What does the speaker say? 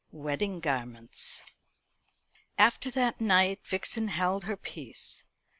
Wedding Garments. After that night Vixen held her peace.